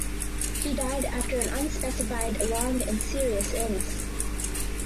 He died after an unspecified long and serious illness.